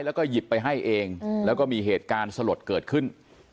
แล้วก็หยิบไปให้เองแล้วก็มีเหตุการณ์สลดเกิดขึ้น